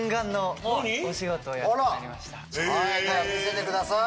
では見せてください。